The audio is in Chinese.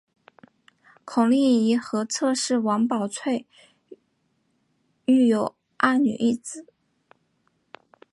孔令贻和侧室王宝翠育有二女一子。